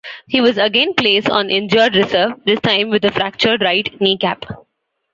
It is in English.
He was again placed on injured reserve, this time with a fractured right kneecap.